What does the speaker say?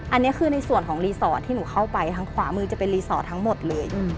อันนี้คือในส่วนของรีสอร์ทที่หนูเข้าไปทางขวามือจะเป็นรีสอร์ททั้งหมดเลย